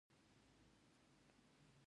د تورخم لاره بنده ښه ده.